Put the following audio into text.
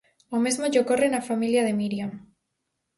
O mesmo lle ocorre na familia de Míriam.